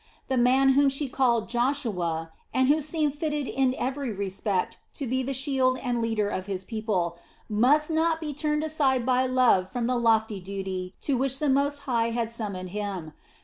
The man whom she called "Joshua" and who seemed fitted in every respect to be the shield and leader of his people, must not be turned aside by love from the lofty duty to which the Most High had summoned him.